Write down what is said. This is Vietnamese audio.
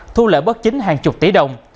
thu lợi bất chính hàng chục tỷ đồng